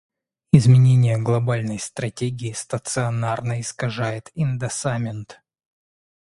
Изменение глобальной стратегии стационарно искажает индоссамент.